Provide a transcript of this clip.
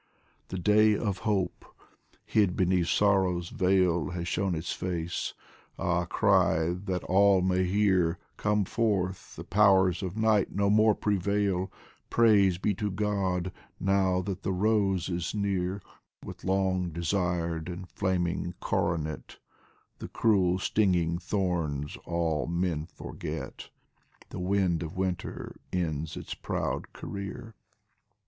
The Day of Hope, hid beneath Sorrow's veil, Has shown its face ah, cry that all may hear : Come forth ! the powers of night no more prevail 1 Praise be to God, now that the rose is near With long desired and flaming coronet, The cruel stinging thorns all men forget, The wind of W T inter ends its proud career.